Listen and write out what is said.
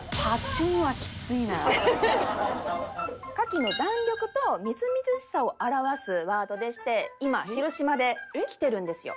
牡蠣の弾力とみずみずしさを表すワードでして今広島できてるんですよ。